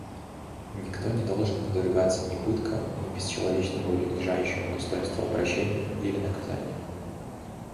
Никто не должен подвергаться ни пыткам, ни бесчеловечному или унижающему достоинство обращению или наказанию.